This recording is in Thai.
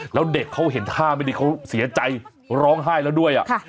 แล้วเด็กเขาเห็นท่าไม่ดีเขาเสียใจร้องไห้แล้วด้วย